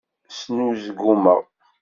Snuzgumeɣ.